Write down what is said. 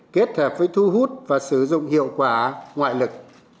kết hợp với thu hút và sử dụng hiệu quả ngoại lực